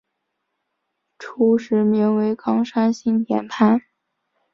初时名为冈山新田藩。